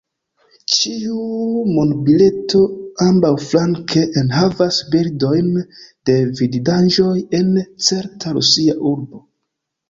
Ĉiu monbileto ambaŭflanke enhavas bildojn de vidindaĵoj en certa rusia urbo.